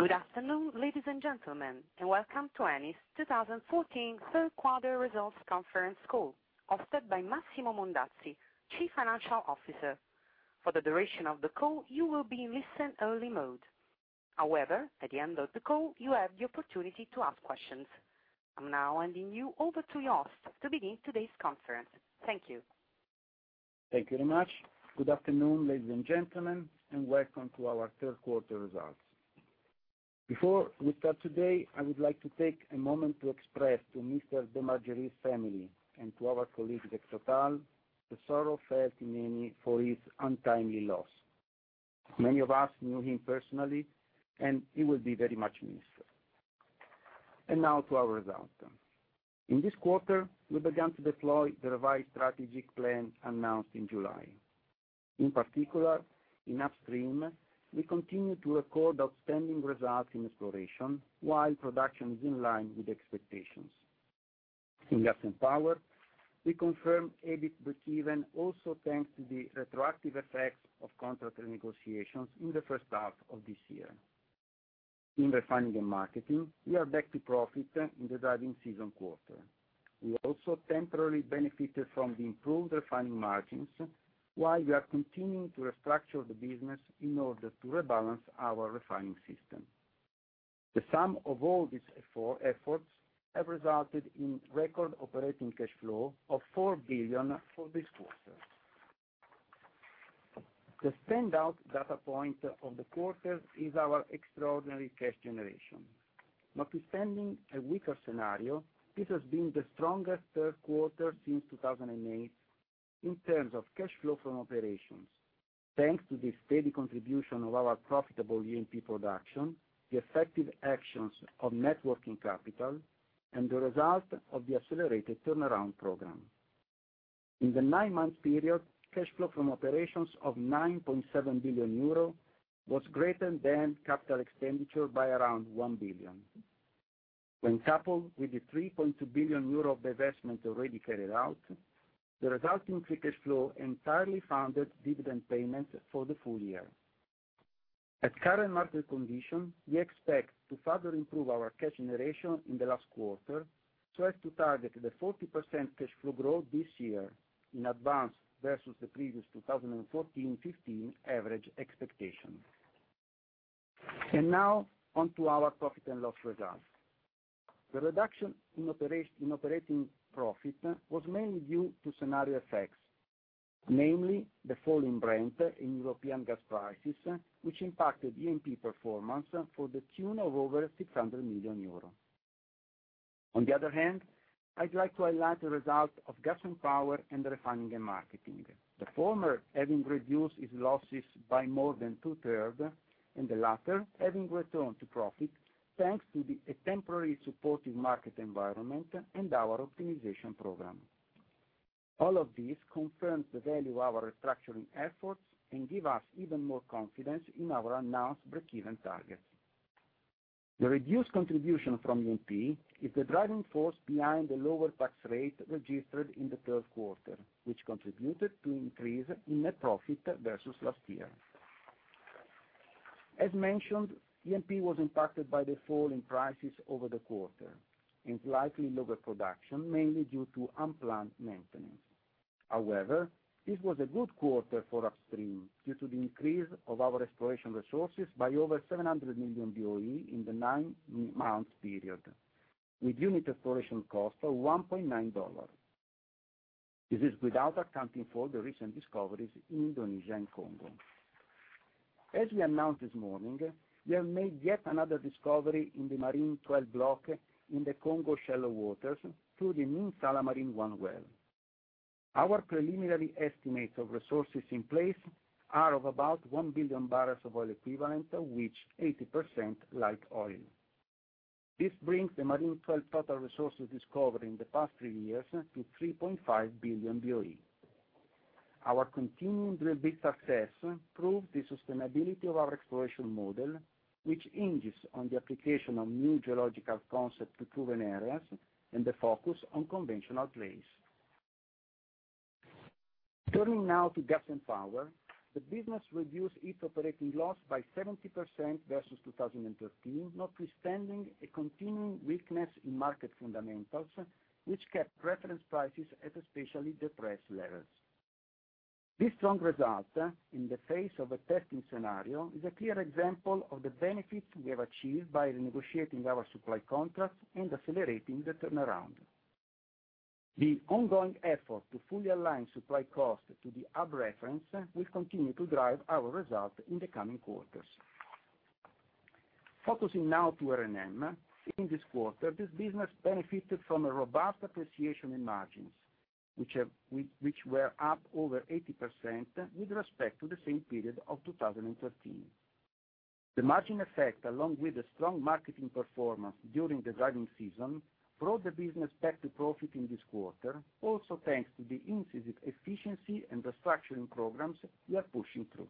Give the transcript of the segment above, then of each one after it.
Good afternoon, ladies and gentlemen, welcome to Eni's 2014 third quarter results conference call hosted by Massimo Mondazzi, Chief Financial Officer. For the duration of the call, you will be in listen only mode. At the end of the call, you have the opportunity to ask questions. I'm now handing you over to your host to begin today's conference. Thank you. Thank you very much. Good afternoon, ladies and gentlemen, welcome to our third quarter results. Before we start today, I would like to take a moment to express to Mr. de Margerie's family and to our colleagues at Total, the sorrow felt in Eni for his untimely loss. Many of us knew him personally, he will be very much missed. Now to our results. In this quarter, we began to deploy the revised strategic plan announced in July. In particular, in upstream, we continue to record outstanding results in exploration while production is in line with expectations. In gas and power, we confirm EBIT breakeven also thanks to the retroactive effects of contract negotiations in the first half of this year. In refining and marketing, we are back to profit in the driving season quarter. We also temporarily benefited from the improved refining margins while we are continuing to restructure the business in order to rebalance our refining system. The sum of all these efforts have resulted in record operating cash flow of 4 billion for this quarter. The standout data point of the quarter is our extraordinary cash generation. Notwithstanding a weaker scenario, this has been the strongest third quarter since 2008 in terms of cash flow from operations, thanks to the steady contribution of our profitable E&P production, the effective actions of net working capital, and the result of the accelerated turnaround program. In the nine-month period, cash flow from operations of 9.7 billion euro was greater than capital expenditure by around $1 billion. When coupled with the 3.2 billion euro of divestment already carried out, the resulting free cash flow entirely funded dividend payment for the full year. At current market condition, we expect to further improve our cash generation in the last quarter so as to target the 40% cash flow growth this year in advance versus the previous 2014/15 average expectation. Now on to our profit and loss results. The reduction in operating profit was mainly due to scenario effects, namely the fall in Brent in European gas prices, which impacted E&P performance for the tune of over 600 million euros. The other hand, I'd like to highlight the result of gas and power and refining and marketing. The former having reduced its losses by more than two-third and the latter having returned to profit thanks to the temporary supportive market environment and our optimization program. All of this confirms the value of our restructuring efforts and give us even more confidence in our announced breakeven targets. The reduced contribution from E&P is the driving force behind the lower tax rate registered in the third quarter, which contributed to increase in net profit versus last year. As mentioned, E&P was impacted by the fall in prices over the quarter and slightly lower production, mainly due to unplanned maintenance. However, this was a good quarter for upstream due to the increase of our exploration resources by over 700 million BOE in the nine-month period with unit exploration cost of $1.90. This is without accounting for the recent discoveries in Indonesia and Congo. As we announced this morning, we have made yet another discovery in the Marine XII block in the Congo shallow waters through the Minsala Marine-1 well. Our preliminary estimates of resources in place are of about 1 billion barrels of oil equivalent, of which 80% light oil. This brings the Marine XII total resources discovered in the past three years to 3.5 billion BOE. Our continuing drill bit success proves the sustainability of our exploration model, which hinges on the application of new geological concept to proven areas and the focus on conventional plays. Turning now to gas and power, the business reduced its operating loss by 70% versus 2013, notwithstanding a continuing weakness in market fundamentals, which kept reference prices at especially depressed levels. This strong result in the face of a testing scenario is a clear example of the benefits we have achieved by renegotiating our supply contracts and accelerating the turnaround. The ongoing effort to fully align supply cost to the hub reference will continue to drive our results in the coming quarters. Focusing now to R&M. In this quarter, this business benefited from a robust appreciation in margins, which were up over 80% with respect to the same period of 2013. The margin effect, along with the strong marketing performance during the driving season, brought the business back to profit in this quarter. Also, thanks to the incisive efficiency and restructuring programs we are pushing through.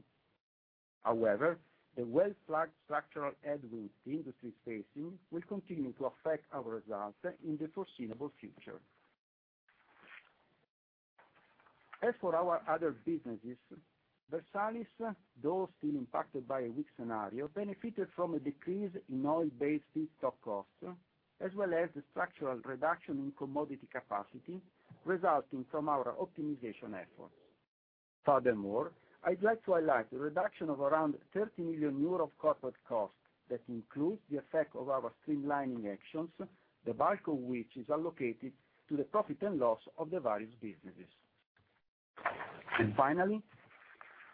However, the well-flagged structural headwinds the industry is facing will continue to affect our results in the foreseeable future. As for our other businesses, Versalis, though still impacted by a weak scenario, benefited from a decrease in oil-based feedstock costs, as well as the structural reduction in commodity capacity resulting from our optimization efforts. Furthermore, I'd like to highlight the reduction of around 30 million euro of corporate costs. That includes the effect of our streamlining actions, the bulk of which is allocated to the profit and loss of the various businesses. Finally,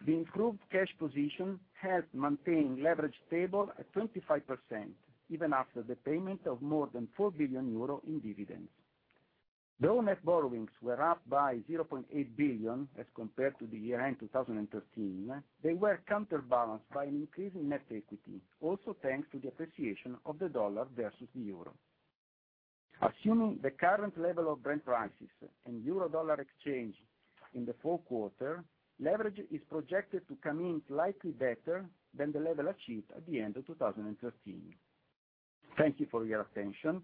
the improved cash position helped maintain leverage stable at 25%, even after the payment of more than 4 billion euro in dividends. Though net borrowings were up by 0.8 billion as compared to the year-end 2013, they were counterbalanced by an increase in net equity, also thanks to the appreciation of the dollar versus the euro. Assuming the current level of Brent prices and euro-dollar exchange in the fourth quarter, leverage is projected to come in slightly better than the level achieved at the end of 2013. Thank you for your attention,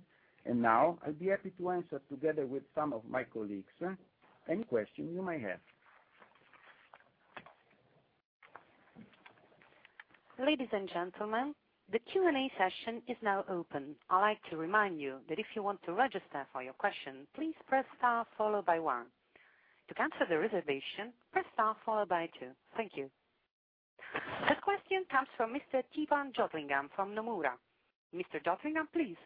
I'll be happy to answer, together with some of my colleagues, any questions you might have. Ladies and gentlemen, the Q&A session is now open. I'd like to remind you that if you want to register for your question, please press star followed by one. To cancel the reservation, press star followed by two. Thank you. The first question comes from Mr. Theepan Jothilingam from Nomura. Mr. Jothilingam, please.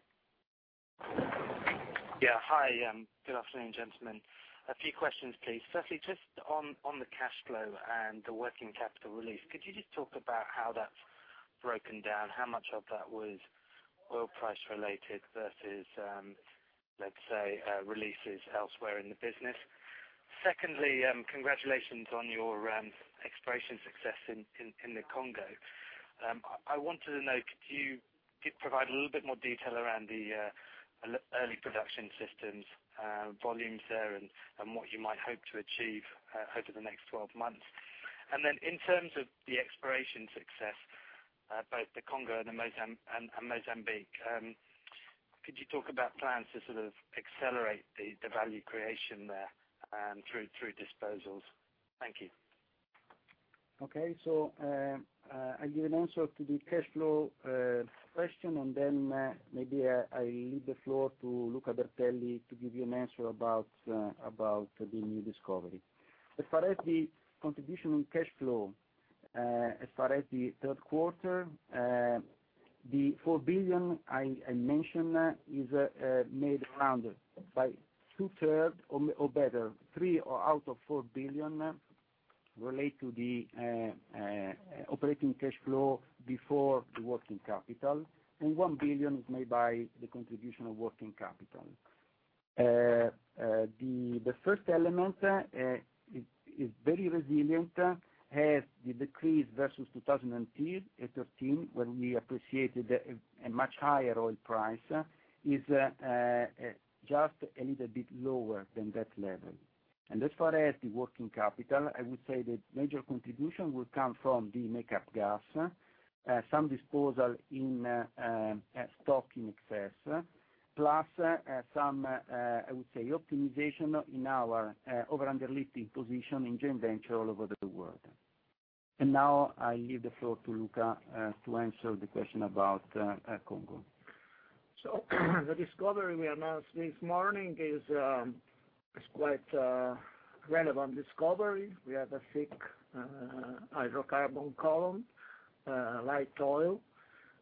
Yeah. Hi, good afternoon, gentlemen. A few questions, please. Firstly, just on the cash flow and the working capital release, could you just talk about how that's broken down? How much of that was oil price related versus, let's say, releases elsewhere in the business? Secondly, congratulations on your exploration success in the Congo. I wanted to know, could you provide a little bit more detail around the early production systems, volumes there, and what you might hope to achieve over the next 12 months? In terms of the exploration success, both the Congo and Mozambique, could you talk about plans to sort of accelerate the value creation there through disposals? Thank you. Okay. I give an answer to the cash flow question. Maybe I leave the floor to Luca Bertelli to give you an answer about the new discovery. As far as the contribution on cash flow, as far as the third quarter, the 4 billion I mentioned is made around by two-thirds, or better, three out of 4 billion relate to the operating cash flow before the working capital, and 1 billion is made by the contribution of working capital. The first element is very resilient as the decrease versus 2013, when we appreciated a much higher oil price, is just a little bit lower than that level. As far as the working capital, I would say the major contribution will come from the make-up gas. Some disposal in stock in excess, plus some, I would say, optimization in our overall lifting position in joint venture all over the world. Now I leave the floor to Luca to answer the question about Congo. The discovery we announced this morning is quite a relevant discovery. We have a thick hydrocarbon column, light oil,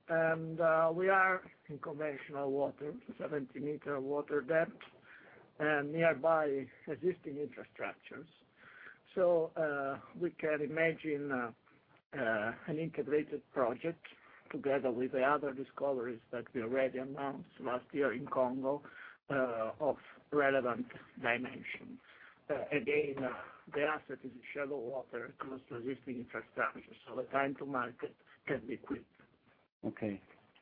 and we are in conventional water, 70-meter water depth, and nearby existing infrastructures. We can imagine an integrated project together with the other discoveries that we already announced last year in Congo of relevant dimensions. Again, the asset is in shallow water, close to existing infrastructure, the time to market can be quick. Okay.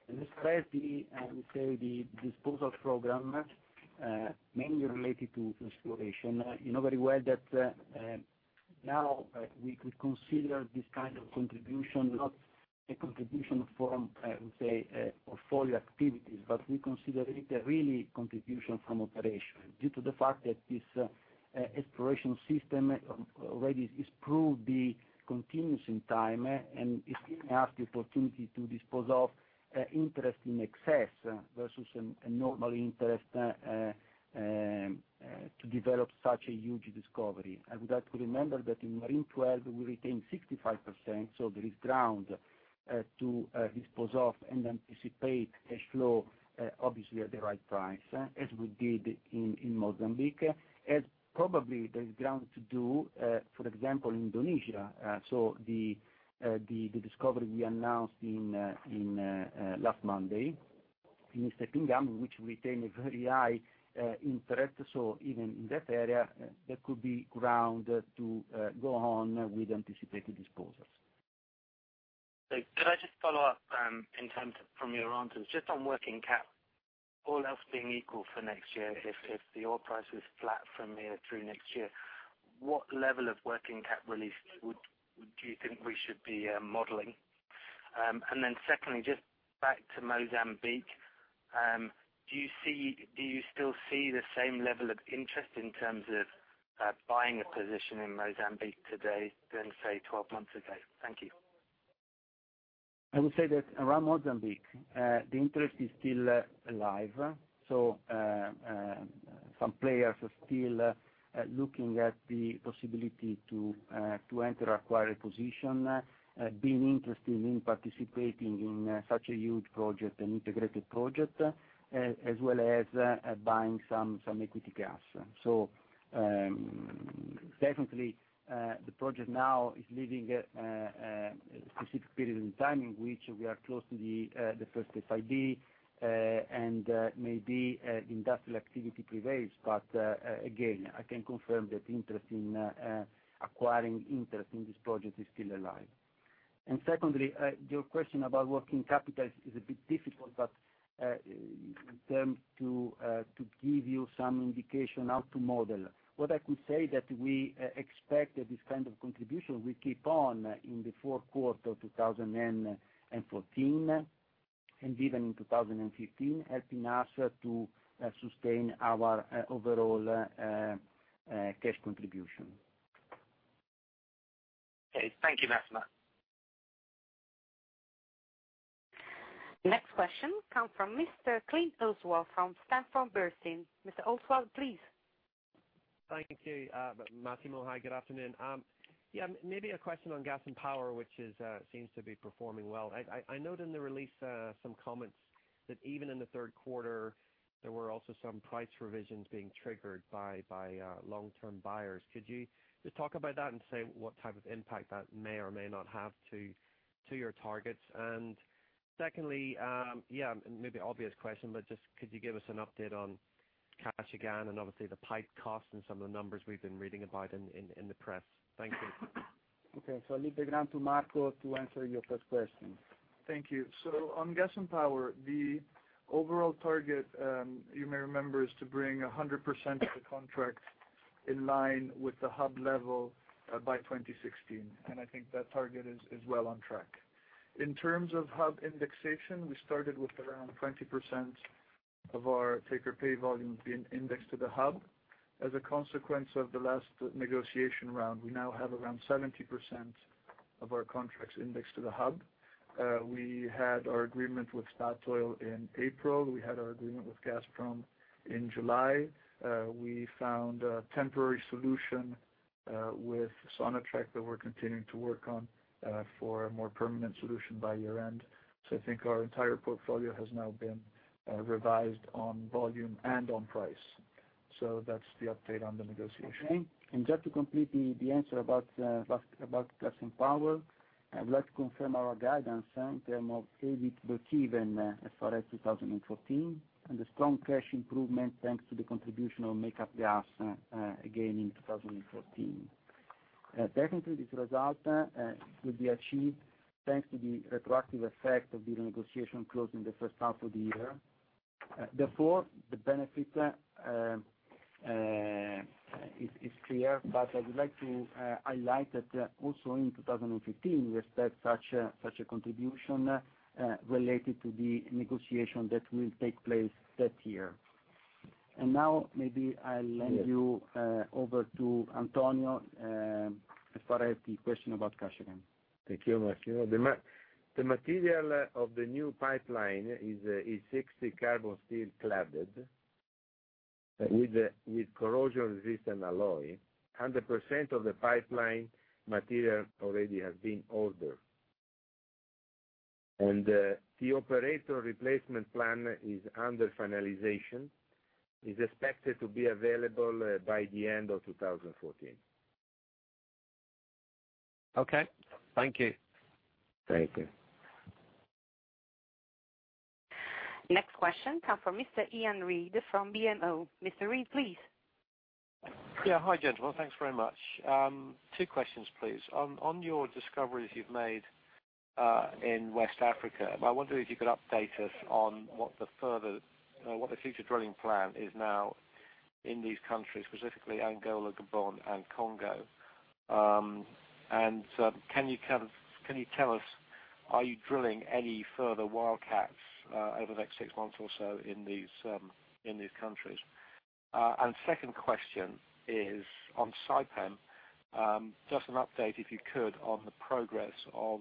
As far as the, I would say, the disposal program mainly related to exploration, you know very well that now we could consider this kind of contribution not a contribution from, I would say, portfolio activities, but we consider it a really contribution from operation due to the fact that this exploration system already is proved the continuance in time and is giving us the opportunity to dispose of interest in excess versus a normal interest to develop such a huge discovery. I would like to remember that in Marine XII, we retained 65%, there is ground to dispose of and anticipate cash flow, obviously at the right price, as we did in Mozambique. As probably there is ground to do, for example, Indonesia. The discovery we announced last Monday in East Sepinggan, which retain a very high interest. Even in that area, there could be ground to go on with anticipated disposals. Could I just follow up, in terms from your answers, just on working cap, all else being equal for next year, if the oil price was flat from here through next year, what level of working cap release do you think we should be modeling? secondly, just back to Mozambique, do you still see the same level of interest in terms of buying a position in Mozambique today than, say, 12 months ago? Thank you. I would say that around Mozambique, the interest is still alive. Some players are still looking at the possibility to enter, acquire a position, being interested in participating in such a huge project, an integrated project, as well as buying some equity gas. Definitely, the project now is living a specific period in time in which we are close to the first FID and maybe industrial activity prevails, but again, I can confirm that interest in acquiring interest in this project is still alive. Secondly, your question about working capital is a bit difficult, but in terms to give you some indication how to model. What I could say that we expect that this kind of contribution will keep on in the fourth quarter 2014 and even in 2015, helping us to sustain our overall cash contribution. Okay. Thank you, Massimo. Next question come from Mr. Oswald Clint from Sanford Bernstein. Mr. Oswald, please. Thank you, Massimo. Hi, good afternoon. Maybe a question on gas and power, which seems to be performing well. I noted in the release some comments that even in the third quarter, there were also some price revisions being triggered by long-term buyers. Could you just talk about that and say what type of impact that may or may not have to your targets? Secondly, maybe obvious question, but just could you give us an update on Kashagan and obviously the pipe costs and some of the numbers we've been reading about in the press? Thank you. I leave the ground to Marco to answer your first question. Thank you. On gas and power, the overall target, you may remember, is to bring 100% of the contract in line with the hub level by 2016, I think that target is well on track. In terms of hub indexation, we started with around 20% of our take or pay volume being indexed to the hub. As a consequence of the last negotiation round, we now have around 70% of our contracts indexed to the hub. We had our agreement with Statoil in April. We had our agreement with Gazprom in July. We found a temporary solution with Sonatrach that we're continuing to work on for a more permanent solution by year-end. I think our entire portfolio has now been revised on volume and on price. That's the update on the negotiation. Just to complete the answer about gas and power, I would like to confirm our guidance in term of EBITDA achieved as far as 2014, the strong cash improvement, thanks to the contribution of make-up gas again in 2014. Definitely, this result will be achieved thanks to the retroactive effect of the negotiation closed in the first half of the year. The benefit is clear, I would like to highlight that also in 2015, we expect such a contribution related to the negotiation that will take place that year. Now maybe I'll lend you over to Antonio as far as the question about Kashagan. Thank you, Massimo. The material of the new pipeline is 60 carbon steel cladded with corrosion-resistant alloy. 100% of the pipeline material already has been ordered. The operator replacement plan is under finalization, is expected to be available by the end of 2014. Okay. Thank you. Thank you. Next question come from Mr. Iain Reid from BMO. Mr. Reid, please. Yeah. Hi, gentlemen. Thanks very much. Two questions, please. On your discoveries you've made in West Africa, I wonder if you could update us on what the future drilling plan is now in these countries, specifically Angola, Gabon, and Congo. Can you tell us, are you drilling any further wildcats over the next six months or so in these countries? Second question is on Saipem, just an update, if you could, on the progress of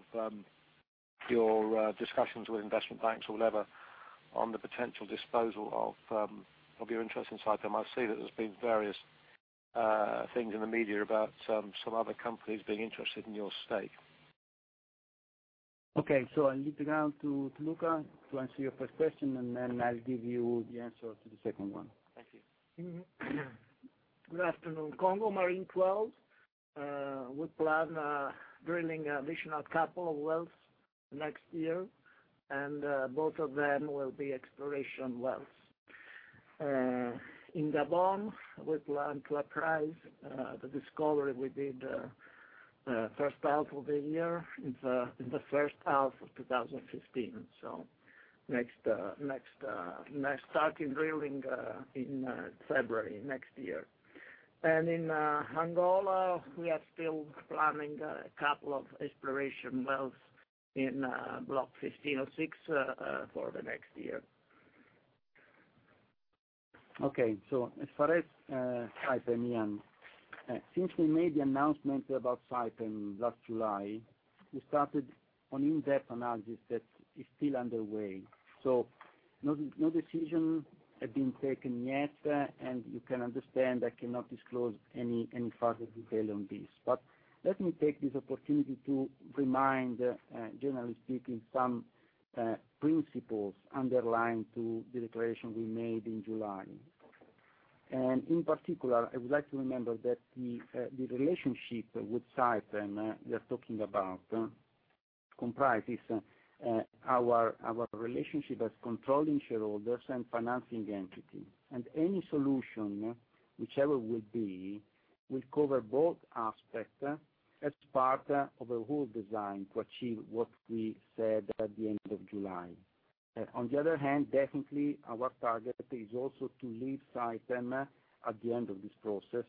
your discussions with investment banks or whatever on the potential disposal of your interest in Saipem. I see that there's been various things in the media about some other companies being interested in your stake. I leave the ground to Luca to answer your first question, and then I'll give you the answer to the second one. Thank you. Good afternoon. Marine XII Block, we plan on drilling additional 2 wells next year, both of them will be exploration wells. In Gabon, we plan to appraise the discovery we did first half of the year in the first half of 2015. Starting drilling in February next year. In Angola, we are still planning a couple of exploration wells in Block 15/06 for the next year. Okay. As far as Saipem, Iain, since we made the announcement about Saipem last July, we started an in-depth analysis that is still underway. No decisions have been taken yet, and you can understand I cannot disclose any further detail on this. Let me take this opportunity to remind, generally speaking, some principles underlying to the declaration we made in July. In particular, I would like to remember that the relationship with Saipem, we are talking about comprises our relationship as controlling shareholders and financing entity. Any solution, whichever it will be, will cover both aspects as part of a whole design to achieve what we said at the end of July. On the other hand, definitely our target is also to leave Saipem at the end of this process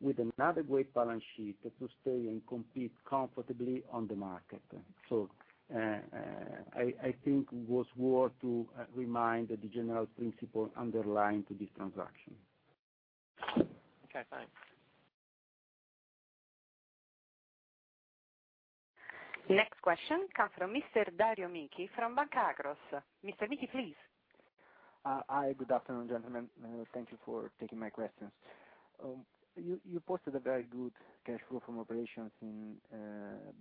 with an adequate balance sheet to stay and compete comfortably on the market. I think it was worth to remind the general principle underlying to this transaction. Okay, thanks. Next question comes from Mr. Dario Michi from Banca Akros. Mr. Michi, please. Hi. Good afternoon, gentlemen. Thank you for taking my questions. You posted a very good cash flow from operations in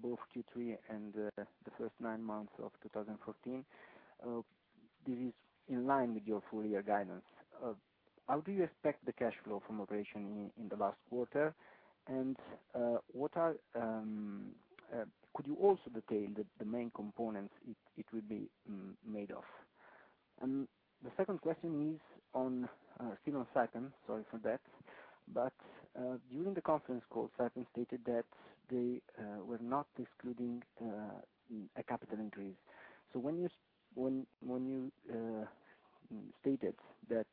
both Q3 and the first nine months of 2014. This is in line with your full-year guidance. How do you expect the cash flow from operation in the last quarter? Could you also detail the main components it will be made of? The second question is still on Saipem, sorry for that. During the conference call, Saipem stated that they were not excluding a capital increase. When you stated that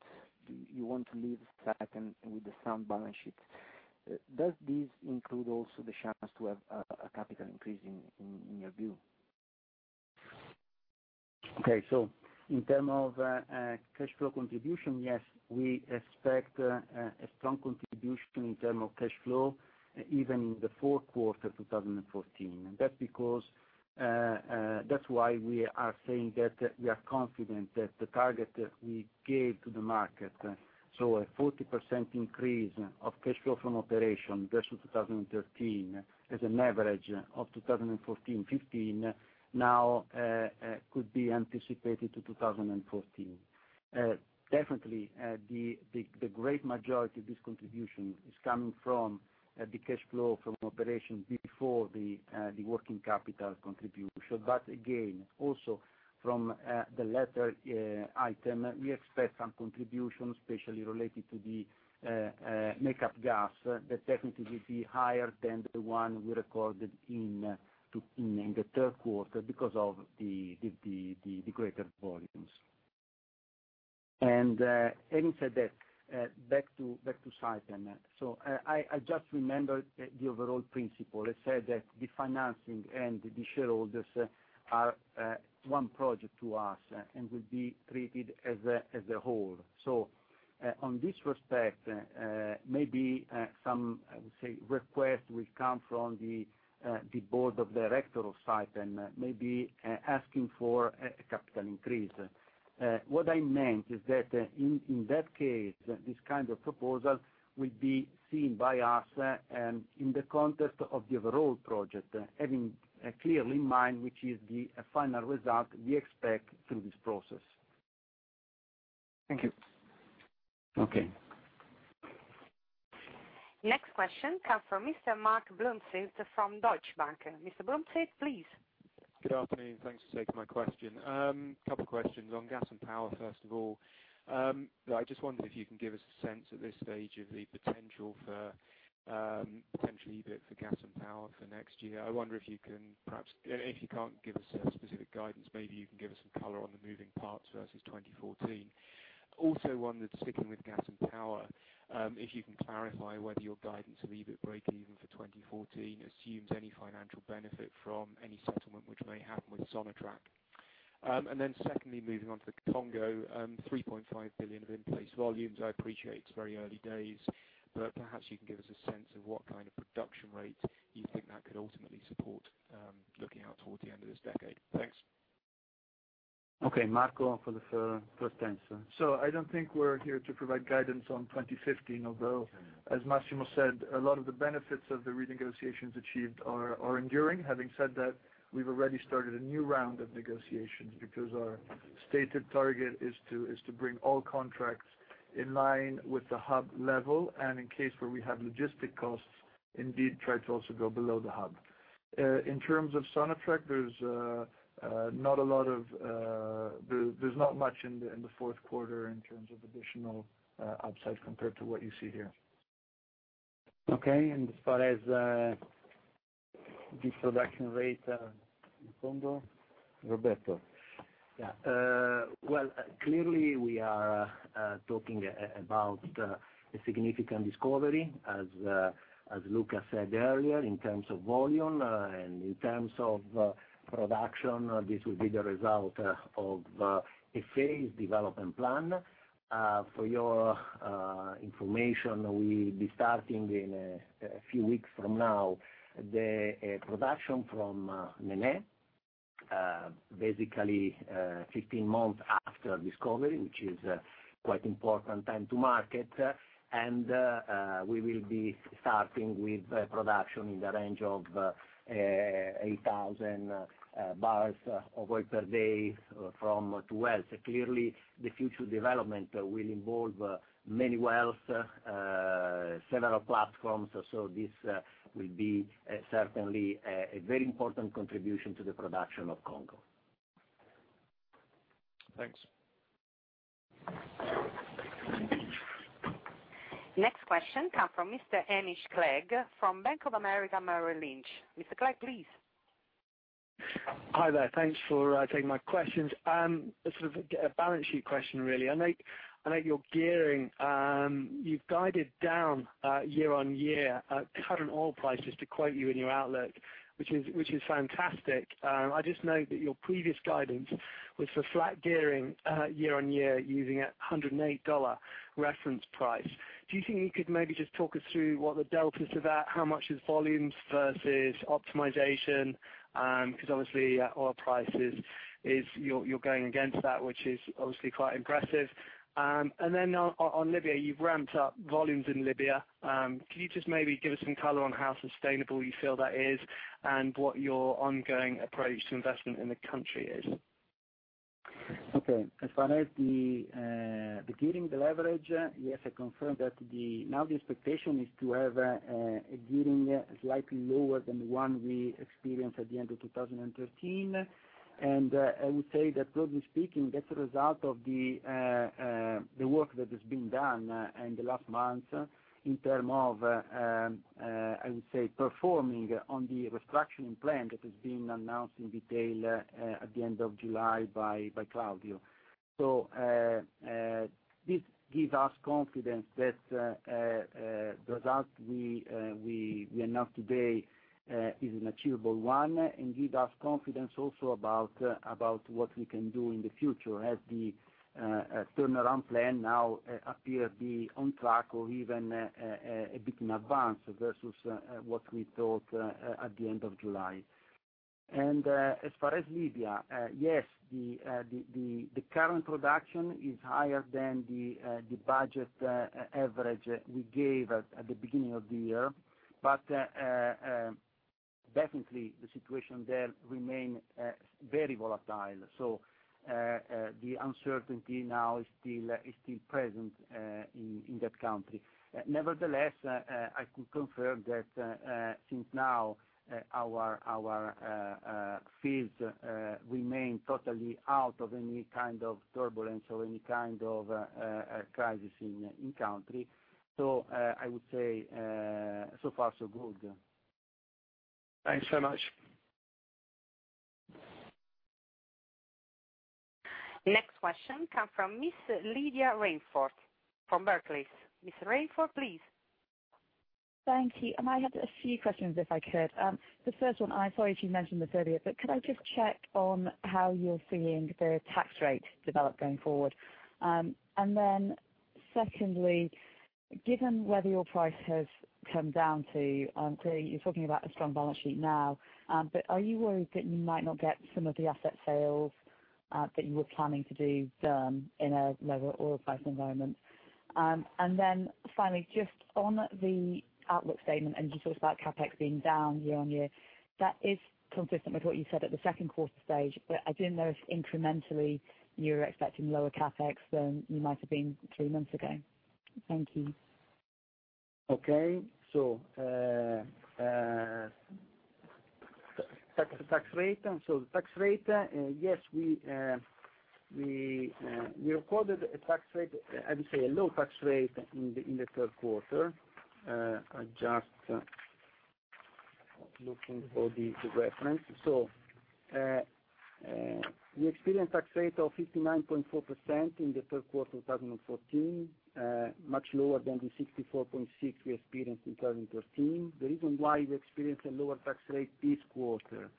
you want to leave Saipem with a sound balance sheet, does this include also the chance to have a capital increase in your view? Okay, in term of cash flow contribution, yes, we expect a strong contribution in term of cash flow, even in the fourth quarter 2014. That's why we are saying that we are confident that the target that we gave to the market, so a 40% increase of cash flow from operation versus 2013 as an average of 2014, 2015, now could be anticipated to 2014. Definitely, the great majority of this contribution is coming from the cash flow from operation before the working capital contribution. Again, also from the latter item, we expect some contribution, especially related to the make-up gas, that definitely will be higher than the one we recorded in the third quarter because of the greater volumes. Having said that, back to Saipem. I just remembered the overall principle. I said that the financing and the shareholders are one project to us and will be treated as a whole. On this respect, maybe some, I would say, request will come from the board of director of Saipem, maybe asking for a capital increase. What I meant is that in that case, this kind of proposal will be seen by us in the context of the overall project, having clearly in mind which is the final result we expect through this process. Thank you. Okay. Next question comes from Mr. Mark Bloomfield from Deutsche Bank. Mr. Bloomfield, please. Good afternoon. Thanks for taking my question. Couple questions on gas and power, first of all. I just wondered if you can give us a sense at this stage of the potential for potentially the gas and power for next year. I wonder if you can perhaps, if you can't give us a specific guidance, maybe you can give us some color on the moving parts versus 2014. Also wondered, sticking with gas and power, if you can clarify whether your guidance of EBIT breakeven for 2014 assumes any financial benefit from any settlement which may happen with Sonatrach. Secondly, moving on to Congo, 3.5 billion of in-place volumes. I appreciate it's very early days, but perhaps you can give us a sense of what kind of production rate you think that could ultimately support, looking out toward the end of this decade. Thanks. Okay, Marco for the first answer. I don't think we're here to provide guidance on 2015, although, as Massimo said, a lot of the benefits of the renegotiations achieved are enduring. Having said that, we've already started a new round of negotiations because our stated target is to bring all contracts in line with the hub level, and in case where we have logistic costs, indeed try to also go below the hub. In terms of Sonatrach, there's not much in the fourth quarter in terms of additional upside compared to what you see here. As far as the production rate in Congo? Roberto. Well, clearly we are talking about a significant discovery, as Luca said earlier, in terms of volume and in terms of production, this will be the result of a phase development plan. For your information, we'll be starting in a few weeks from now, the production from Nené. Basically, 15 months after discovery, which is quite important time to market, and we will be starting with production in the range of 8,000 barrels of oil per day from two wells. Clearly, the future development will involve many wells, several platforms. This will be certainly a very important contribution to the production of Congo. Thanks. Next question come from Mr. Emmett Craig from Bank of America Merrill Lynch. Mr. Craig, please. Hi there. Thanks for taking my questions. Sort of a balance sheet question, really. I note your gearing. You've guided down year-on-year at current oil prices, to quote you in your outlook, which is fantastic. I just know that your previous guidance was for flat gearing year-on-year using a $108 reference price. Do you think you could maybe just talk us through what the delta to that, how much is volumes versus optimization? Because obviously, oil prices, you're going against that, which is obviously quite impressive. On Libya, you've ramped up volumes in Libya. Can you just maybe give us some color on how sustainable you feel that is, and what your ongoing approach to investment in the country is? Okay. As far as the gearing, the leverage, yes, I confirm that now the expectation is to have a gearing slightly lower than the one we experienced at the end of 2013. I would say that broadly speaking, that's a result of the work that has been done in the last month in term of, I would say, performing on the restructuring plan that has been announced in detail at the end of July by Claudio. This gives us confidence that the result we announce today is an achievable one and gives us confidence also about what we can do in the future as the turnaround plan now appears to be on track or even a bit in advance versus what we thought at the end of July. As far as Libya, yes, the current production is higher than the budget average we gave at the beginning of the year. Definitely, the situation there remains very volatile. The uncertainty now is still present in that country. Nevertheless, I could confirm that since now our fields remain totally out of any kind of turbulence or any kind of crisis in country. I would say so far so good. Thanks so much. Next question come from Ms. Lydia Rainforth from Barclays. Ms. Rainforth, please. Thank you. I have a few questions, if I could. The first one, I saw that you mentioned this earlier, but could I just check on how you're seeing the tax rate develop going forward? Secondly, given where the oil price has come down to, clearly you're talking about a strong balance sheet now, but are you worried that you might not get some of the asset sales that you were planning to do done in a lower oil price environment? Finally, just on the outlook statement, you talked about CapEx being down year-on-year. That is consistent with what you said at the second quarter stage, but I didn't know if incrementally you're expecting lower CapEx than you might have been three months ago. Thank you. Tax rate. The tax rate, yes, we recorded a tax rate, I would say a low tax rate in the third quarter. I'm just looking for the reference. We experienced tax rate of 59.4% in the third quarter 2014, much lower than the 64.6% we experienced in 2013. The reason why we experienced a lower tax rate this quarter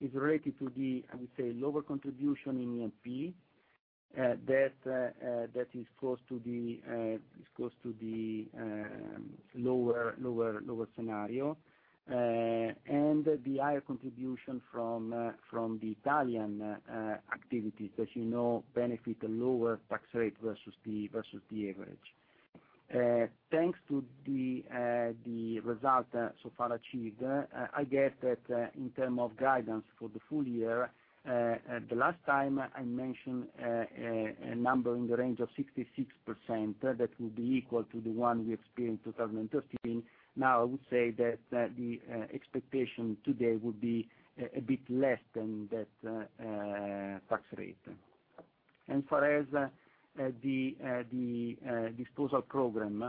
is related to the, I would say, lower contribution in E&P. That is close to the lower scenario. The higher contribution from the Italian activities that you know benefit a lower tax rate versus the average. Thanks to the result so far achieved, I get that in term of guidance for the full year, the last time I mentioned a number in the range of 66%, that would be equal to the one we experienced 2013. Now, I would say that the expectation today would be a bit less than that tax rate. As far as the disposal program,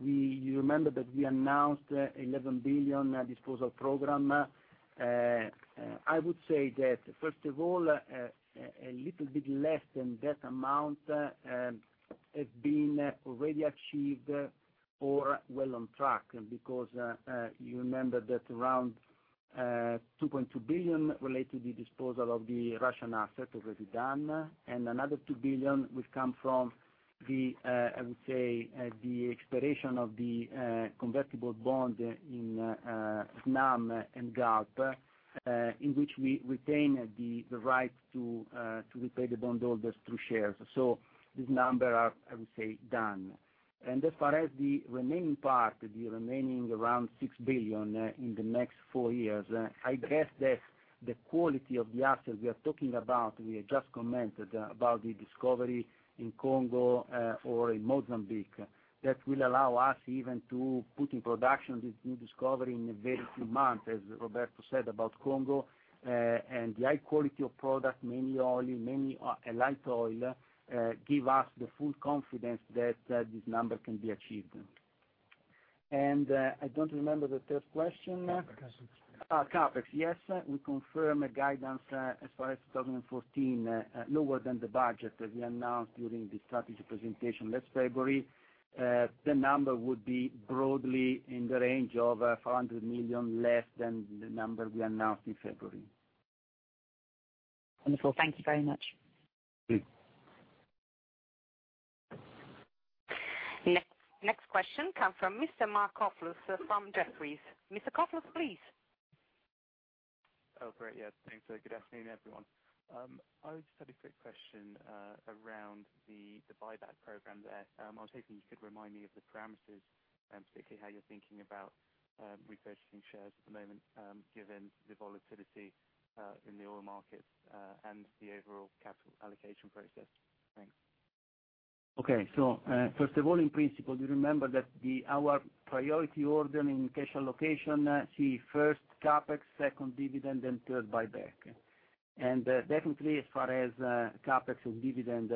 you remember that we announced 11 billion disposal program. I would say that, first of all, a little bit less than that amount has been already achieved or well on track because you remember that around 2.2 billion relate to the disposal of the Russian asset already done, 2 billion will come from the, I would say, the expiration of the convertible bond in NAM and Galp, in which we retain the right to repay the bondholders through shares. This number are, I would say, done. As far as the remaining part, the remaining around 6 billion in the next four years, I guess that the quality of the assets we are talking about, we have just commented about the discovery in Congo or in Mozambique. That will allow us even to put in production this new discovery in a very few months, as Roberto said about Congo, and the high quality of product, mainly oil, a light oil, give us the full confidence that this number can be achieved. I don't remember the third question. CapEx. CapEx. Yes. We confirm a guidance as far as 2014, lower than the budget that we announced during the strategy presentation last February. The number would be broadly in the range of 400 million, less than the number we announced in February. Wonderful. Thank you very much. Next question come from Mr. Marc Kofler from Jefferies. Mr. Kofler, please. Great. Thanks. Good afternoon, everyone. I just had a quick question around the buyback program there. I was hoping you could remind me of the parameters, specifically how you're thinking about repurchasing shares at the moment, given the volatility in the oil markets, and the overall capital allocation process. Thanks. First of all, in principle, you remember that our priority order in cash allocation, see first CapEx, second dividend, third buyback. Definitely as far as CapEx and dividend,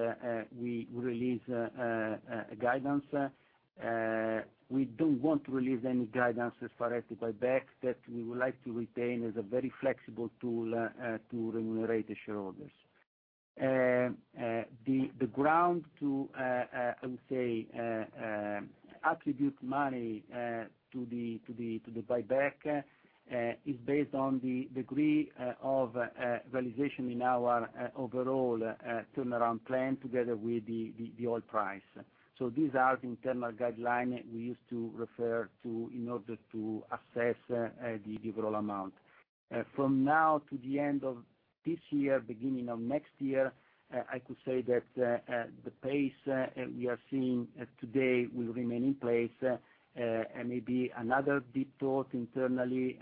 we release a guidance. We don't want to release any guidance as far as the buyback that we would like to retain as a very flexible tool to remunerate the shareholders. The ground to, I would say, attribute money to the buyback is based on the degree of realization in our overall turnaround plan together with the oil price. These are the internal guideline we used to refer to in order to assess the overall amount. From now to the end of this year, beginning of next year, I could say that the pace we are seeing today will remain in place. Maybe another deep thought internally,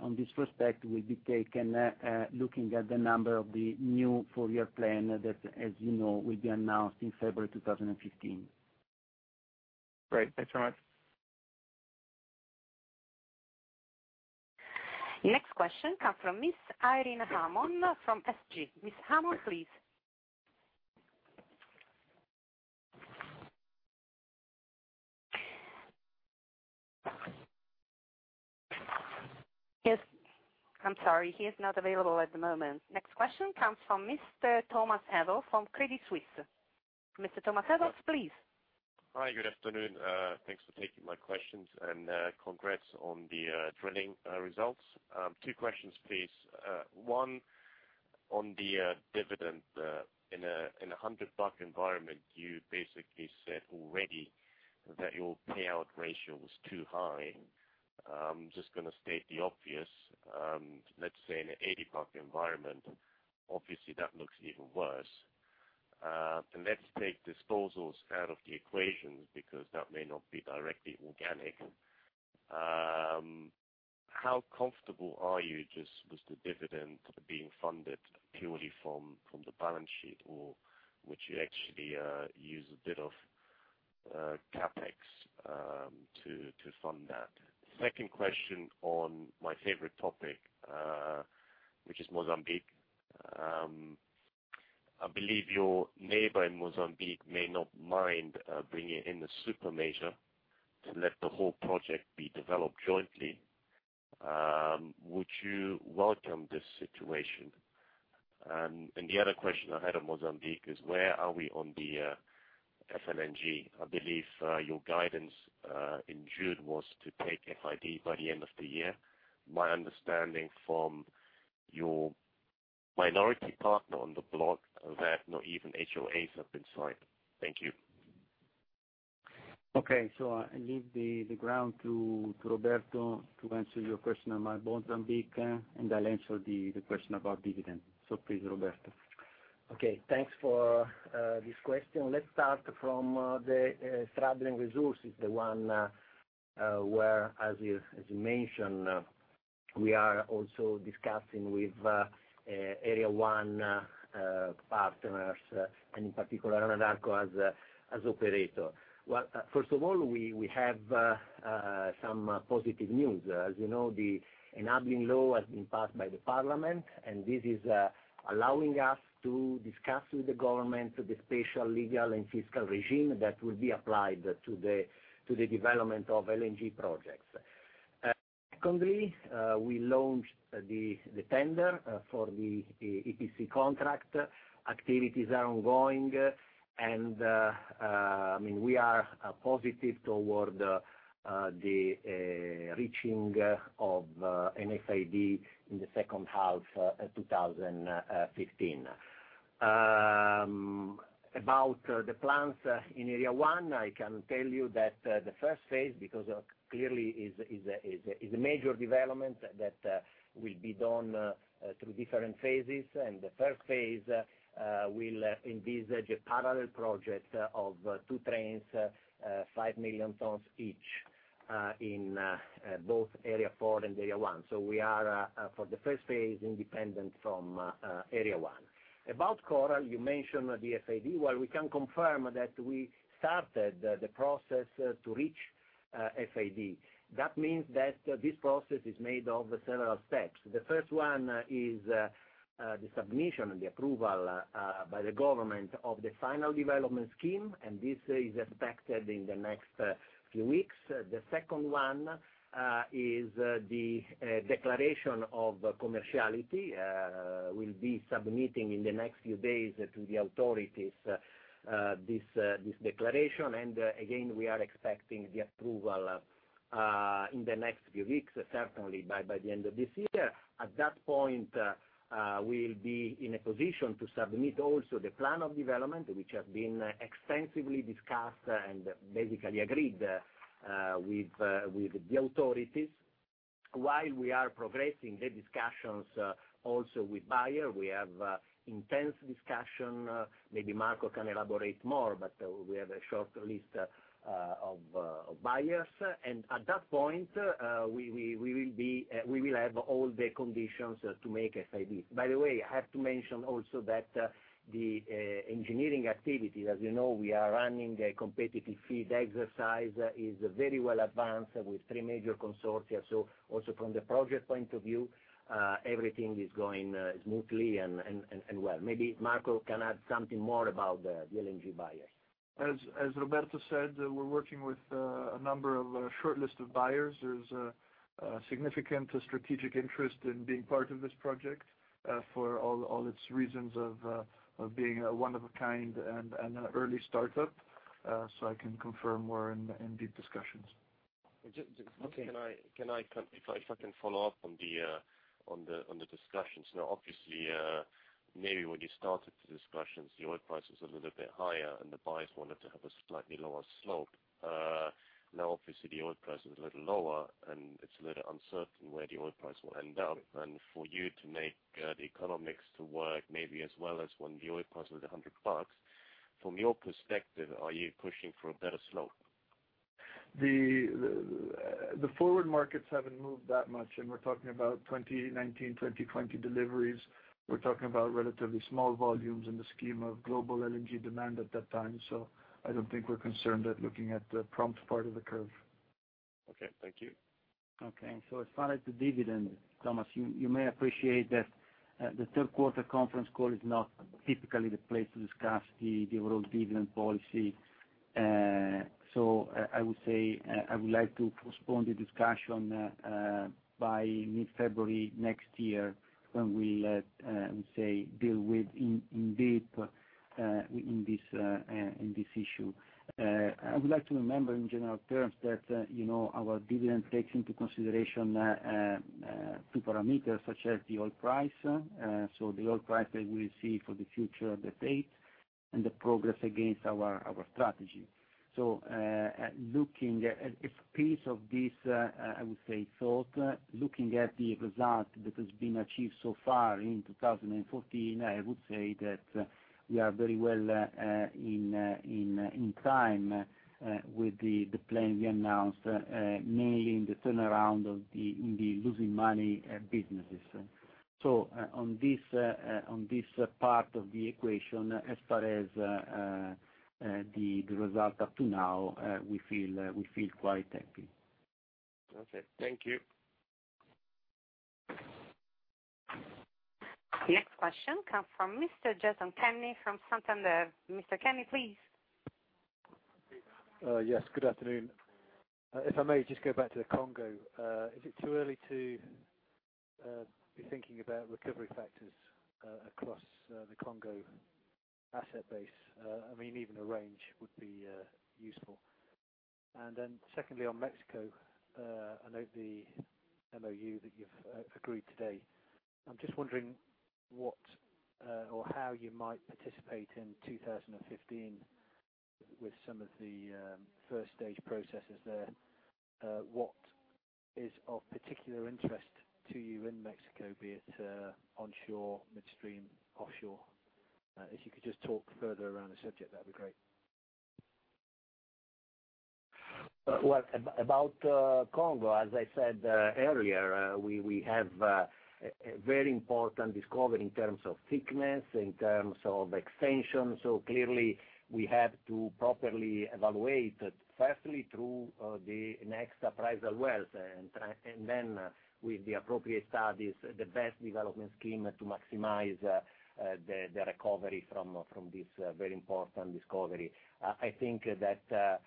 on this respect, will be taken, looking at the number of the new four-year plan that, as you know, will be announced in February 2015. Great. Thanks very much. Next question comes from Ms. Irene Himona from SG. Ms. Himona, please. Yes. I'm sorry. She is not available at the moment. Next question comes from Mr. Thomas Adolff from Credit Suisse. Mr. Thomas Adolff, please. Hi. Good afternoon. Thanks for taking my questions, and congrats on the drilling results. Two questions, please. One on the dividend. In a $100 environment, you basically said already that your payout ratio was too high. I'm just going to state the obvious. Let's say in an $80 environment, obviously that looks even worse. Let's take disposals out of the equation because that may not be directly organic. How comfortable are you just with the dividend being funded purely from the balance sheet? Would you actually use a bit of CapEx to fund that? Second question on my favorite topic, which is Mozambique. I believe your neighbor in Mozambique may not mind bringing in a super major to let the whole project be developed jointly. Would you welcome this situation? The other question I had on Mozambique is where are we on the FLNG? I believe your guidance in June was to take FID by the end of the year. My understanding from your minority partner on the block that not even HOAs have been signed. Thank you. Okay. I leave the ground to Roberto to answer your question on Mozambique, and I'll answer the question about dividend. Please, Roberto. Okay, thanks for this question. Let's start from the Straddling Resources, the one where, as you mentioned, we are also discussing with Area One partners, and in particular Eni as operator. Well, first of all, we have some positive news. As you know, the enabling law has been passed by the parliament, and this is allowing us to discuss with the government the special legal and fiscal regime that will be applied to the development of LNG projects. Secondly, we launched the tender for the EPC contract. Activities are ongoing, and we are positive toward the reaching of an FID in the second half of 2015. About the plans in Area 1, I can tell you that the first phase, because clearly it is a major development that will be done through different phases, the first phase will envisage a parallel project of two trains, five million tons each, in both Area 4 and Area 1. We are, for the first phase, independent from Area 1. About Coral, you mentioned the FID. We can confirm that we started the process to reach FID. This means that this process is made of several steps. The first one is the submission and the approval by the government of the final development scheme, and this is expected in the next few weeks. The second one is the declaration of commerciality. We'll be submitting in the next few days to the authorities this declaration. Again, we are expecting the approval in the next few weeks, certainly by the end of this year. At that point, we'll be in a position to submit also the plan of development, which has been extensively discussed and basically agreed with the authorities. While we are progressing the discussions also with buyer, we have intense discussion. Maybe Marco can elaborate more, but we have a short list of buyers. At that point, we will have all the conditions to make FID. By the way, I have to mention also that the engineering activity, as you know, we are running a competitive FEED exercise, is very well advanced with three major consortia. Also from the project point of view, everything is going smoothly and well. Maybe Marco can add something more about the LNG buyers. As Roberto said, we're working with a number of shortlist of buyers. There's a significant strategic interest in being part of this project for all its reasons of being a one of a kind and an early startup. I can confirm we're in deep discussions. Okay. If I can follow up on the discussions now? Obviously, maybe when you started the discussions, the oil price was a little bit higher, and the buyers wanted to have a slightly lower slope. Now, obviously the oil price is a little lower, and it's a little uncertain where the oil price will end up. For you to make the economics to work, maybe as well as when the oil price was at $100, from your perspective, are you pushing for a better slope? The forward markets haven't moved that much. We're talking about 2019, 2020 deliveries. We're talking about relatively small volumes in the scheme of global LNG demand at that time. I don't think we're concerned at looking at the prompt part of the curve. Okay. Thank you. Okay. As far as the dividend, Thomas, you may appreciate that the third quarter conference call is not typically the place to discuss the overall dividend policy. I would say, I would like to postpone the discussion by mid-February next year when we, let me say, deal with in deep in this issue. I would like to remember in general terms that our dividend takes into consideration two parameters, such as the oil price, so the oil price that we see for the future, the fate, and the progress against our strategy. Looking at a piece of this, I would say, thought, looking at the result that has been achieved so far in 2014, I would say that we are very well in time with the plan we announced, mainly in the turnaround of the losing money businesses. On this part of the equation, as far as the result up to now, we feel quite happy. Okay. Thank you. Next question come from Mr. Jason Kenney from Santander. Mr. Kenney, please. Yes, good afternoon. If I may just go back to the Congo, is it too early to be thinking about recovery factors across the Congo asset base? Even a range would be useful. Secondly, on Mexico, I note the MOU that you've agreed today. I'm just wondering what or how you might participate in 2015 with some of the first-stage processes there. What is of particular interest to you in Mexico, be it onshore, midstream, offshore? If you could just talk further around the subject, that'd be great. Well, about Congo, as I said earlier, we have a very important discovery in terms of thickness, in terms of extension. Clearly, we have to properly evaluate, firstly, through the next appraisal wells, and then with the appropriate studies, the best development scheme to maximize the recovery from this very important discovery. I think that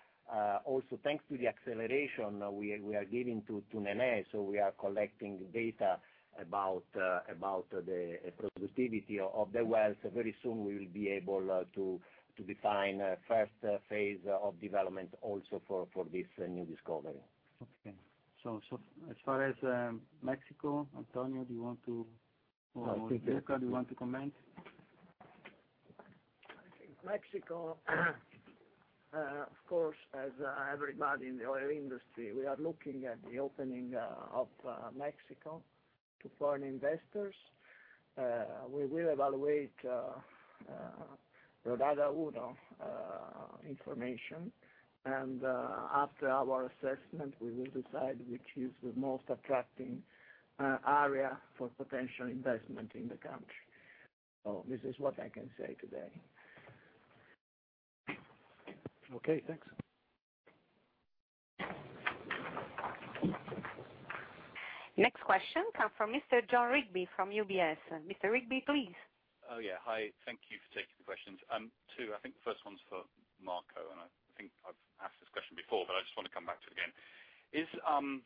also thanks to the acceleration we are giving to Nené, so we are collecting data about the productivity of the wells. Very soon we will be able to define first phase of development also for this new discovery. Okay. As far as Mexico, Antonio, do you want to? Or Luca, do you want to comment? I think Mexico, of course, as everybody in the oil industry, we are looking at the opening of Mexico to foreign investors. We will evaluate Ronda Uno information, and after our assessment, we will decide which is the most attracting area for potential investment in the country. This is what I can say today. Okay, thanks. Next question come from Mr. Jon Rigby from UBS. Mr. Rigby, please. Oh, yeah. Hi. Thank you for taking the questions. Two, I think the first one's for Marco, and I think I've asked this question before, but I just want to come back to it again.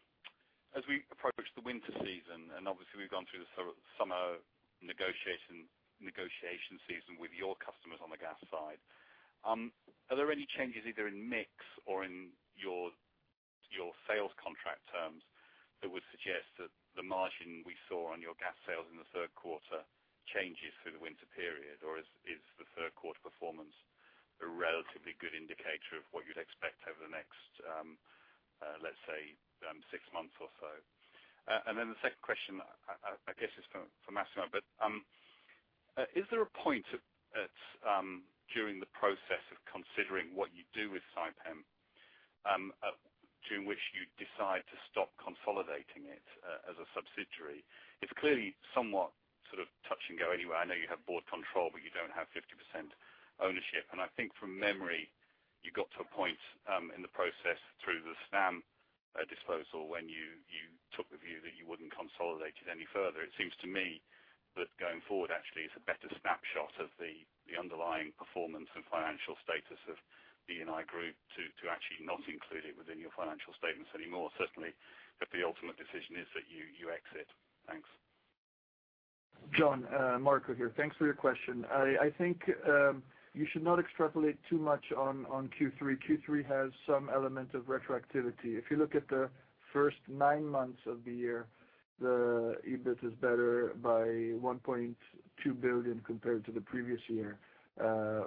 As we approach the winter season, and obviously we've gone through the summer negotiation season with your customers on the gas side, are there any changes either in mix or in your sales contract terms that would suggest that the margin we saw on your gas sales in the third quarter changes through the winter period? Or is the third quarter performance a relatively good indicator of what you'd expect over the next, let's say, six months or so? Then the second question, I guess, is for Massimo. Is there a point during the process of considering what you do with Saipem, to which you decide to stop consolidating it as a subsidiary? It's clearly somewhat sort of touch and go anyway. I know you have board control, but you don't have 50% ownership. I think from memory, you got to a point in the process through the Snam disposal, when you took the view that you wouldn't consolidate it any further. It seems to me that going forward, actually, it's a better snapshot of the underlying performance and financial status of the Eni group to actually not include it within your financial statements anymore. Certainly, if the ultimate decision is that you exit. Thanks. Jon, Marco here. Thanks for your question. I think you should not extrapolate too much on Q3. Q3 has some element of retroactivity. If you look at the first nine months of the year, the EBIT is better by 1.2 billion compared to the previous year,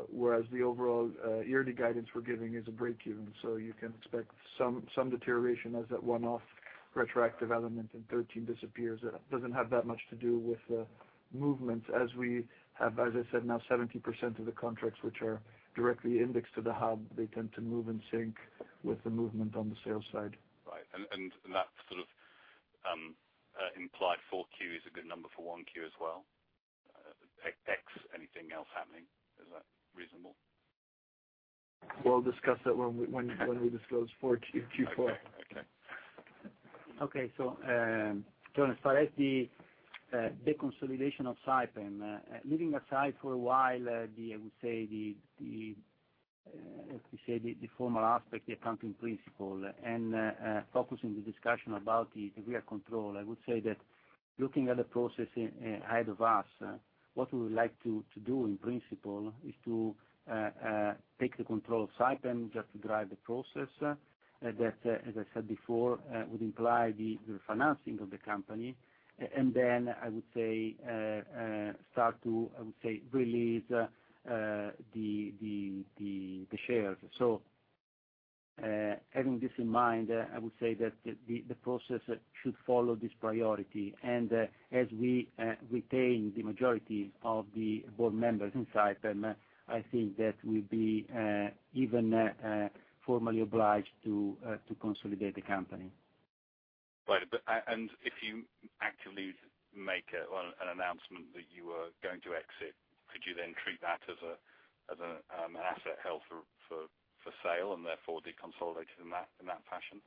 whereas the overall yearly guidance we're giving is a breakeven. You can expect some deterioration as that one-off retroactive element in 2013 disappears. It doesn't have that much to do with the movement as we have, as I said, now 70% of the contracts which are directly indexed to the hub. They tend to move in sync with the movement on the sales side. Right. That sort of implied 4Q is a good number for 1Q as well? X anything else happening, is that reasonable? We'll discuss that when we disclose Q4. Okay. Okay. Jon, as far as the deconsolidation of Saipem, leaving aside for a while the, I would say, the formal aspect, the accounting principle, and focusing the discussion about the real control, I would say that looking at the process ahead of us, what we would like to do, in principle, is to take the control of Saipem just to drive the process. That, as I said before, would imply the refinancing of the company, then I would say, start to release the shares. Having this in mind, I would say that the process should follow this priority. As we retain the majority of the board members in Saipem, I think that we'll be even formally obliged to consolidate the company. Right. If you actively make an announcement that you are going to exit, could you then treat that as an asset held for sale and therefore deconsolidated in that fashion?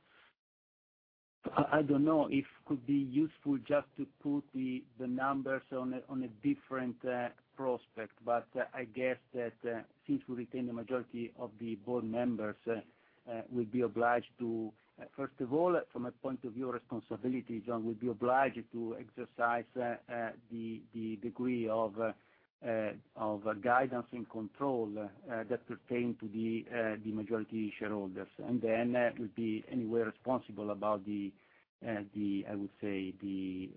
I don't know if it could be useful just to put the numbers on a different prospect. I guess that since we retain the majority of the board members, we'll be obliged to, first of all, from a point of view of responsibility, Jon, we'll be obliged to exercise the degree of guidance and control that pertain to the majority shareholders. Then we'll be anywhere responsible about the, I would say, the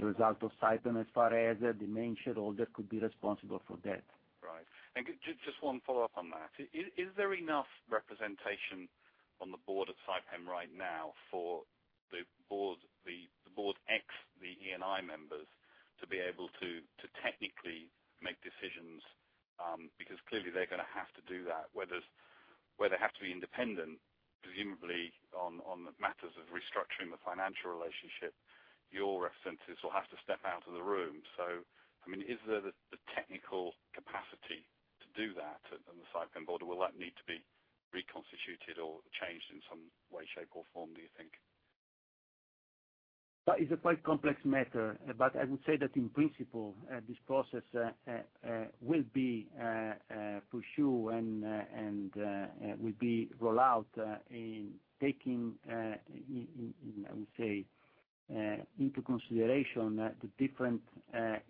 result of Saipem as far as the main shareholder could be responsible for that. Right. Just one follow-up on that. Is there enough representation on the board of Saipem right now for the board ex the Eni members to be able to technically make decisions, because clearly they're going to have to do that. Where they have to be independent, presumably on the matters of restructuring the financial relationship, your representatives will have to step out of the room. Is there the technical capacity to do that on the Saipem board, or will that need to be reconstituted or changed in some way, shape, or form, do you think? That is a quite complex matter. I would say that in principle, this process will be pursued and will be rolled out in taking, I would say, into consideration the different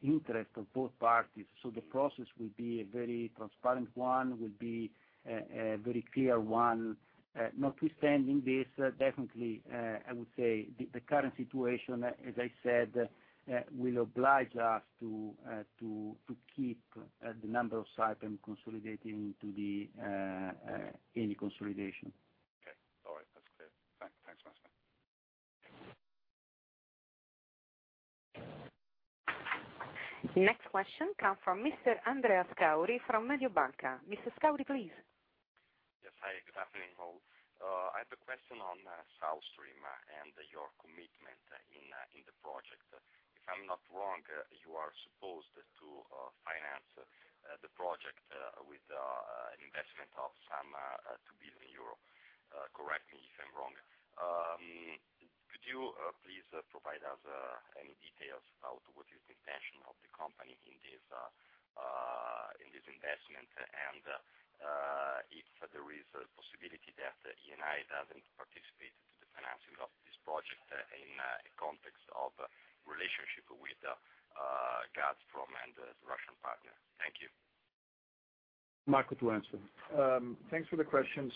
interests of both parties. The process will be a very transparent one, will be a very clear one. Notwithstanding this, definitely, I would say the current situation, as I said, will oblige us to keep the number of Saipem consolidating to the Eni consolidation. Okay. All right. That's clear. Thanks, Massimo. Next question come from Mr. Andrea Scauri from Mediobanca. Mr. Scauri, please. Yes, hi. Good afternoon, all. I have a question on South Stream and your commitment in the project. If I'm not wrong, you are supposed to finance the project with an investment of some 2 billion euro. Correct me if I'm wrong. Could you please provide us any details about what is the intention of the company in this investment, and if there is a possibility that Eni doesn't participate to the financing of this project in a context of relationship with Gazprom and the Russian partner? Thank you. Marco to answer. Thanks for the question.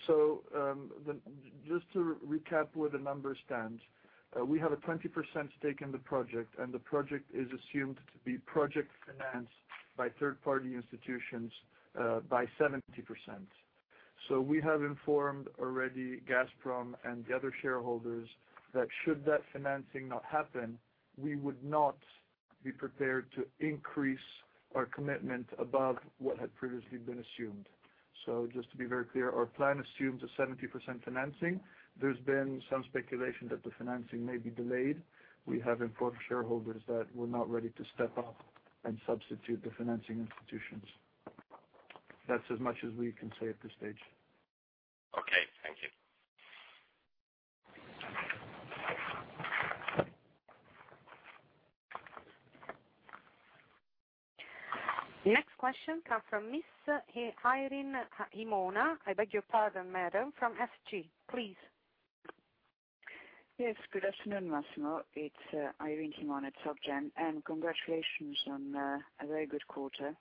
Just to recap where the numbers stand, we have a 20% stake in the project, and the project is assumed to be project financed by third-party institutions by 70%. We have informed already Gazprom and the other shareholders that should that financing not happen, we would not be prepared to increase our commitment above what had previously been assumed. Just to be very clear, our plan assumes a 70% financing. There's been some speculation that the financing may be delayed. We have informed shareholders that we're not ready to step up and substitute the financing institutions. That's as much as we can say at this stage. Okay. Thank you. Next question come from Ms. Irene Himona. I beg your pardon, madam, from SG. Please. Yes, good afternoon, Massimo. It's Irene Himona at Soc Gen, congratulations on a very good quarter.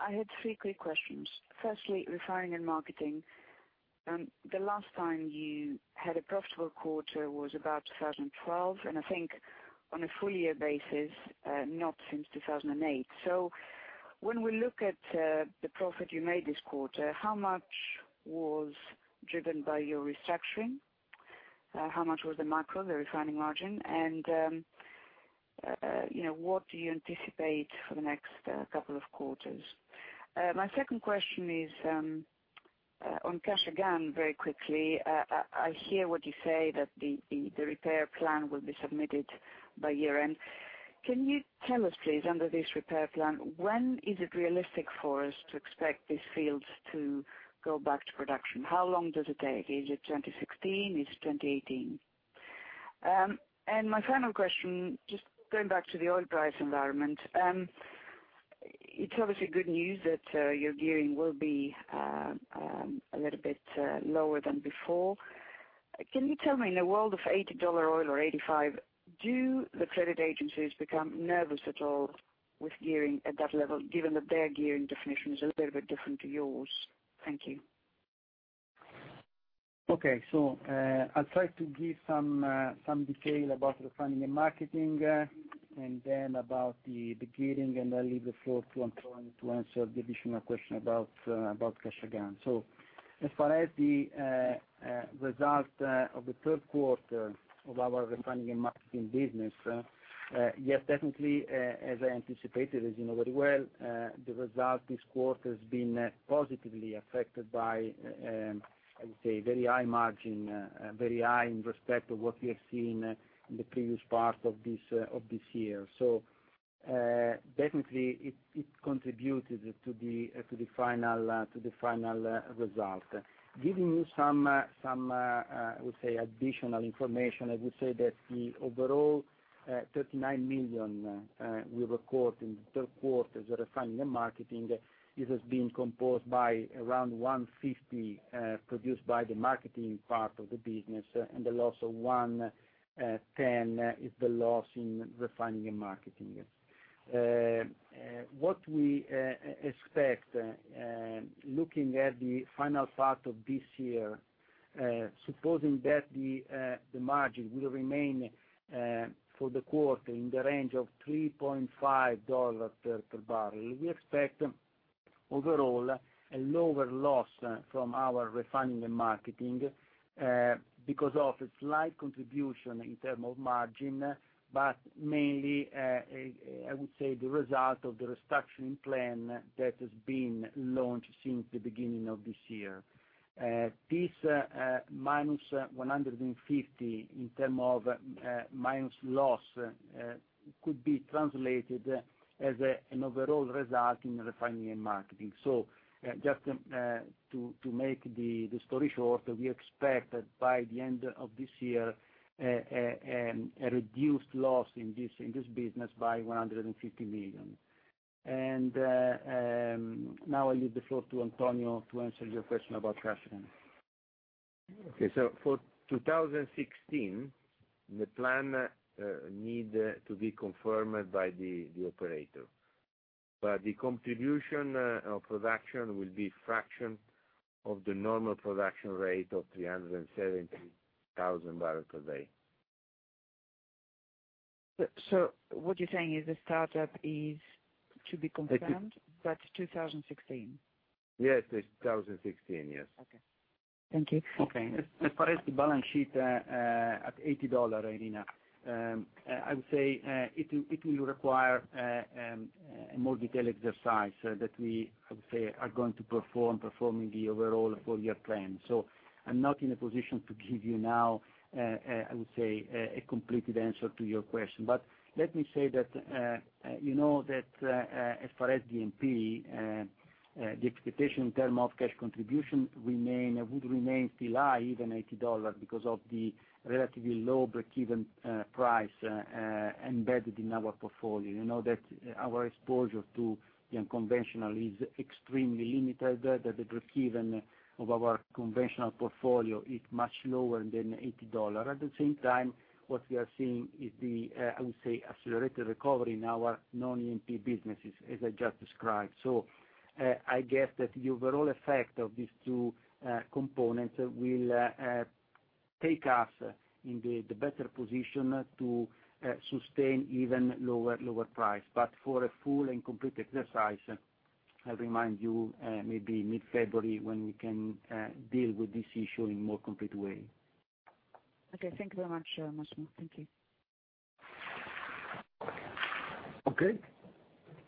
I had three quick questions. Firstly, refining and marketing. The last time you had a profitable quarter was about 2012, I think on a full year basis, not since 2008. When we look at the profit you made this quarter, how much was driven by your restructuring? How much was the micro, the refining margin? What do you anticipate for the next couple of quarters? My second question is on Kashagan, very quickly. I hear what you say that the repair plan will be submitted by year-end. Can you tell us, please, under this repair plan, when is it realistic for us to expect these fields to go back to production? How long does it take? Is it 2016? Is it 2018? My final question, just going back to the oil price environment. It's obviously good news that your gearing will be a little bit lower than before. Can you tell me, in a world of $80 oil or $85, do the credit agencies become nervous at all with gearing at that level, given that their gearing definition is a little bit different to yours? Thank you. Okay. I'll try to give some detail about refining and marketing, then about the gearing, and I'll leave the floor to Antonio to answer the additional question about Kashagan. As far as the result of the third quarter of our refining and marketing business, yes, definitely, as I anticipated, as you know very well, the result this quarter has been positively affected by, I would say, very high margin, very high in respect of what we have seen in the previous part of this year. Definitely it contributed to the final result. Giving you some, I would say, additional information, I would say that the overall 39 million we record in the third quarter as refining and marketing, this has been composed by around 150 produced by the marketing part of the business, and the loss of 110 is the loss in refining and marketing. What we expect, looking at the final part of this year, supposing that the margin will remain for the quarter in the range of $3.5 per barrel, we expect Overall, a lower loss from our refining and marketing because of a slight contribution in term of margin, but mainly, I would say the result of the restructuring plan that has been launched since the beginning of this year. This minus 150 in term of minus loss could be translated as an overall result in refining and marketing. Just to make the story short, we expect that by the end of this year, a reduced loss in this business by 150 million. Now I leave the floor to Antonio to answer your question about cash flow. Okay. For 2016, the plan need to be confirmed by the operator. The contribution of production will be fraction of the normal production rate of 370,000 barrels per day. What you're saying is the startup is to be confirmed. Yes 2016? Yes, 2016. Yes. Okay. Thank you. Okay. As far as the balance sheet at $80, Irene, I would say it will require a more detailed exercise that we, I would say, are going to perform, performing the overall full year plan. I'm not in a position to give you now, I would say, a completed answer to your question. Let me say that you know that as far as E&P, the expectation in term of cash contribution would remain still high, even $80, because of the relatively low breakeven price embedded in our portfolio. You know that our exposure to the unconventional is extremely limited, that the breakeven of our conventional portfolio is much lower than $80. At the same time, what we are seeing is the, I would say, accelerated recovery in our non-E&P businesses, as I just described. I guess that the overall effect of these two components will take us in the better position to sustain even lower price. For a full and complete exercise, I remind you, maybe mid-February, when we can deal with this issue in more complete way. Okay. Thank you very much, Massimo. Thank you. Okay.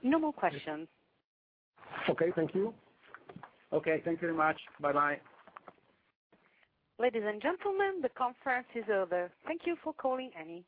No more questions. Okay. Thank you. Okay. Thank you very much. Bye-bye. Ladies and gentlemen, the conference is over. Thank you for calling Eni.